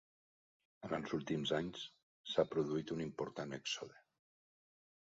En els últims anys, s'ha produït un important èxode.